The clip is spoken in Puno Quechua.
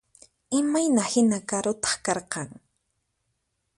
Imayna hina karutaq karqan?